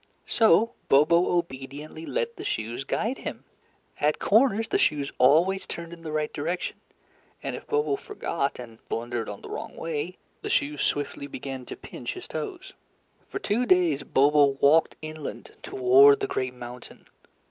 So Bobo obediently let the shoes guide him. At corners the shoes always turned in the right direction, and if Bobo forgot and blundered on the wrong way, the shoes swiftly began to pinch his toes. For two days Bobo walked inland toward the great mountain.